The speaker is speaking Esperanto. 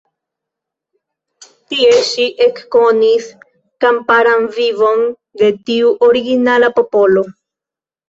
Tie ŝi ekkonis kamparan vivon de tiu originala popolo.